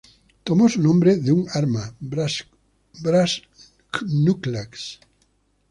Toma su nombre de un arma brass knuckles.